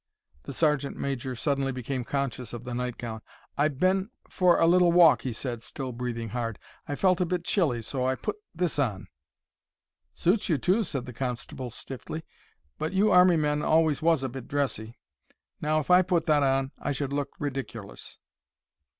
The sergeant major suddenly became conscious of the nightgown. "I've been—for a little walk," he said, still breathing hard. "I felt a bit chilly—so I—put this on." "Suits you, too," said the constable, stiffly. "But you Army men always was a bit dressy. Now if I put that on I should look ridikerlous."